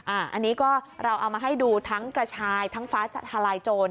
อันนี้ก็เราเอามาให้ดูทั้งกระชายทั้งฟ้าทลายโจร